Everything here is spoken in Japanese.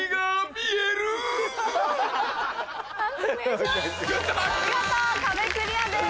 見事壁クリアです。